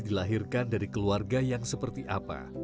dilahirkan dari keluarga yang seperti apa